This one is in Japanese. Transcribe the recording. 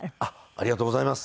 ありがとうございます。